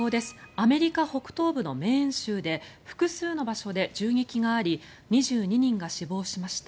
アメリカ北東部のメーン州で複数の場所で銃撃があり２２人が死亡しました。